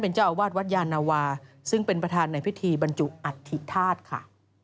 เจ้าอาวาสวัดยานาวาซึ่งเป็นประธานในพิธีบรรจุอัฐิธาตุค่ะ